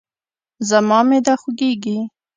زما معده خوږیږي